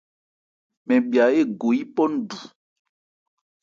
Mɛn mya égo yípɔ ndu.